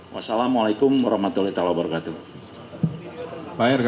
wassalamualaikum wr wb